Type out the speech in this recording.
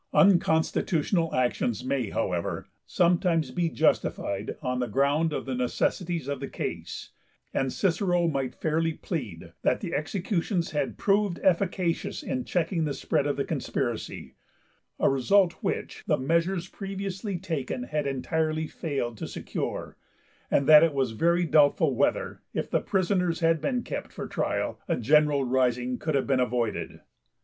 Unconstitutional actions may, however, sometimes be justified on the ground of the necessities of the case; and Cicero might fairly plead that the executions had proved efficacious in checking the spread of the conspiracy, (a result which the measures previously taken had entirely failed to secure,) and that it was very doubtful whether, if the prisoners had been kept for trial, a general rising could have been avoided.